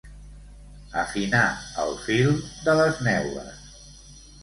Afinar el fil de les neules.